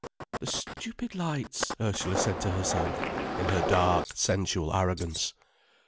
"The stupid lights," Ursula said to herself, in her dark sensual arrogance.